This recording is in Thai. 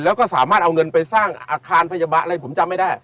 แล้วก็สามารถเอาเงินไปสร้างอาคารพยาบาลอะไรผมจำไม่ได้